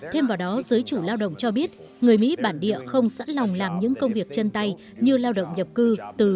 thêm vào đó giới chủ lao động cho biết người mỹ bản địa không sẵn lòng làm những công việc chân tay như lao động nhập cư từ